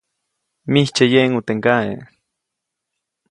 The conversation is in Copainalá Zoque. ‒Mijtsye yeʼŋu teʼ ŋgaʼe-.